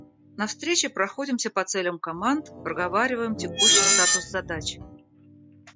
На встрече проходимся по целям команд, проговариваем текущий статус задач.